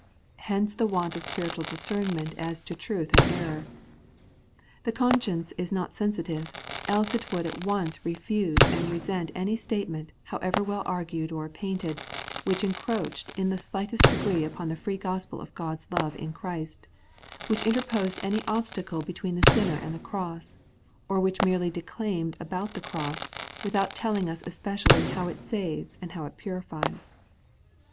Hence the want of spiritual discernment as to truth and error. The conscience is not sensitive, else it would at once refuse and resent any statement, however well argued or painted, which encroached in the slight est degree upon the free gospel of God's love in Christ ; which interposed any obstacle between the sinner and the cross; or which merely declaimed about the cross, without telling us especially how it saves and how it purifies.